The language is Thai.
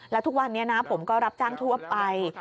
แล้วทุกวันนี้นะผมก็รับจ้างทั่วไป